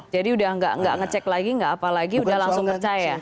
jadi udah nggak ngecek lagi nggak apalagi udah langsung percaya